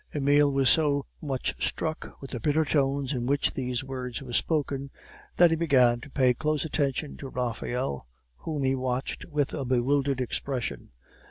Emile was so much struck with the bitter tones in which these words were spoken, that he began to pay close attention to Raphael, whom he watched with a bewildered expression.